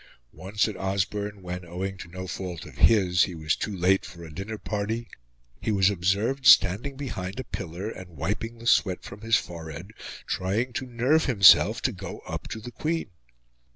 Once, at Osborne, when, owing to no fault of his, he was too late for a dinner party, he was observed standing behind a pillar and wiping the sweat from his forehead, trying to nerve himself to go up to the Queen.